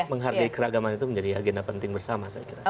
menghargai keragaman itu menjadi agenda penting bersama saya kira